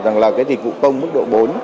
dịch vụ công mức độ bốn